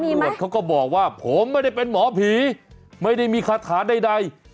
ตำรวจเขาก็บอกว่าผมไม่ได้เป็นหมอผีไม่ได้มีคาถาใด